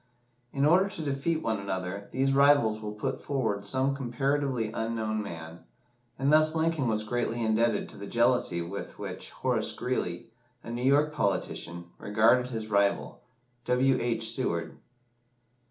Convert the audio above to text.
In order to defeat one another, these rivals will put forward some comparatively unknown man, and thus Lincoln was greatly indebted to the jealousy with which Horace Greeley, a New York politician, regarded his rival, W. H. Seward.